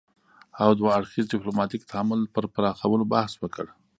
او دوه اړخیز ديپلوماتيک تعامل پر پراخولو بحث وکړ